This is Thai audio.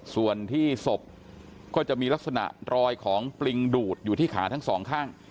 ส่วนที่ศพก็จะมีลักษณะรอยของปริงดูดอยู่ที่ขาทั้งสองข้าง